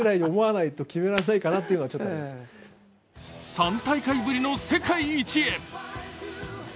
３大会ぶりの世界一へ。